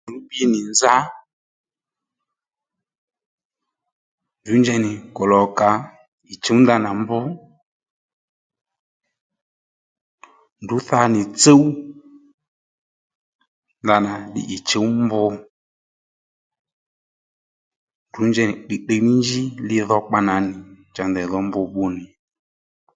Ndrǔ bbi nì nza ndrǔ njey nì kuloka ndrǔ chǔw ndanà mb ndrǔ tha nì tsúw ndanà ì chùw mb ndrǔ njey nì tdiytdiy nì njí li dhokpa nà nì cha ndèydho mb bbunì